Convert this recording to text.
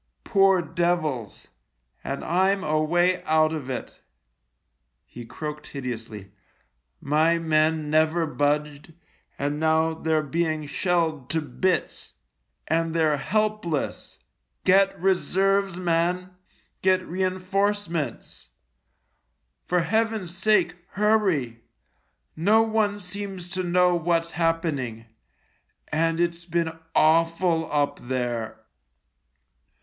Poor devils ! and I'm away out of it." He croaked hideously. " My men never budged, and now they're being shelled to bits — and they're helpless. Get reserves, man ; get reinforcements. For Heaven's sake, hurry. No one seems to know what's happening — and it's been awful up there."